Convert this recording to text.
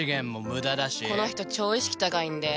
この人超意識高いんで。